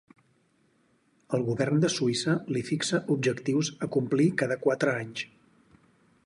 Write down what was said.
El govern de Suïssa li fixa objectius a complir cada quatre anys.